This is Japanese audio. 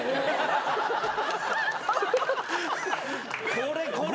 これこれ！